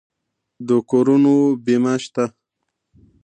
د کورونو بیمه شته؟